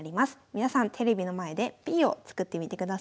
皆さんテレビの前でＰを作ってみてください。